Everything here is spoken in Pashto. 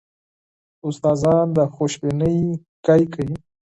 استادان د خوشبینۍ خبره کوي.